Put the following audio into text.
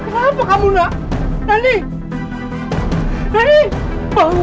selimutnya bagi paip paipmu